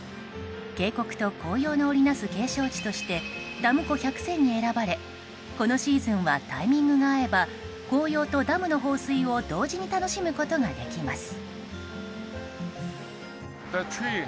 渓谷と紅葉の織り成す景勝地としてダム湖百選に選ばれこのシーズンはタイミングが合えば紅葉とダムの放水を同時に楽しむことができます。